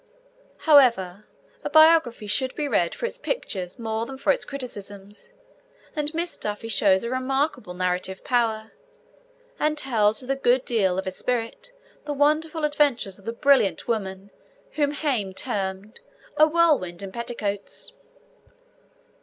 However, a biography should be read for its pictures more than for its criticisms, and Miss Duffy shows a remarkable narrative power, and tells with a good deal of esprit the wonderful adventures of the brilliant woman whom Heine termed 'a whirlwind in petticoats.'